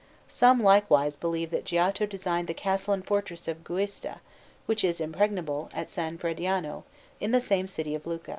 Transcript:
Some, likewise, believe that Giotto designed the castle and fortress of Giusta, which is impregnable, at San Frediano, in the same city of Lucca.